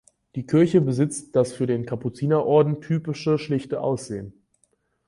Die Kirche besitzt das für den Kapuzinerorden typische schlichte Aussehen.